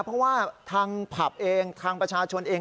เพราะว่าทางผับเองทางประชาชนเอง